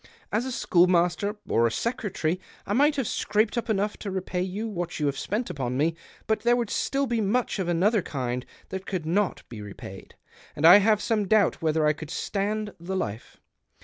As a schoolmaster, or a secretary, I might have scraped up enough to repay you what you have spent upon me, but there would still be much of another kind that could not be repaid, and I have some doubt whether I could stand the life.